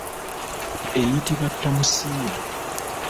Eyitibwa tamusiiya.